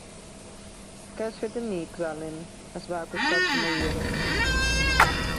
Que has fet amics, Allen? —es va acostar somrient.